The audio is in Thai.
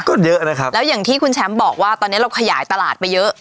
ก็เยอะนะครับแล้วอย่างที่คุณแชมป์บอกว่าตอนนี้เราขยายตลาดไปเยอะ